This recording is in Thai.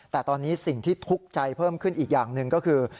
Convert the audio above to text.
แต่ตอนนี้สิ่งที่ทุกข์ใจเพิ่มขึ้นอีกอย่างหนึ่งก็คือ